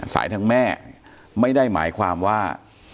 สายทางแม่ไม่ได้หมายความว่า